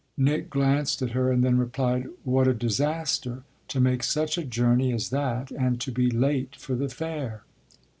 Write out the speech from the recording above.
Nick glanced at her and then replied: "What a disaster to make such a journey as that and to be late for the fair!"